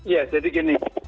ya jadi gini